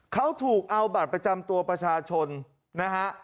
เขาถูกเอาบัตรประจำตัวประชาชนนะฮะ